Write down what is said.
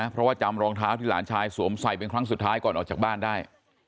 เพราะว่าจำรองเท้าที่หลานชายสวมใส่เป็นครั้งสุดท้ายก่อนออกจากบ้านได้